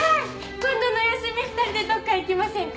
今度の休み二人でどっか行きませんか？